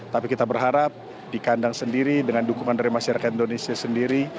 tapi kita berharap di kandang sendiri dengan dukungan dari masyarakat indonesia sendiri